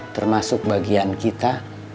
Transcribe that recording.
termasuk bagian kita